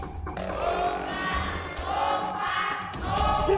ถูกกว่าถูกกว่าถูกกว่า